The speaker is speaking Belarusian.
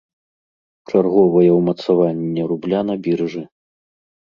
Чарговае ўмацаванне рубля на біржы.